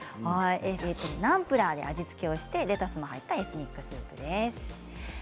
ナムプラーで味付けをしてレタスも入ったエスニックスープです。